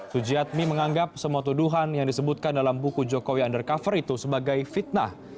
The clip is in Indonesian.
sujiatmi menganggap semua tuduhan yang disebutkan dalam buku jokowi undercover itu sebagai fitnah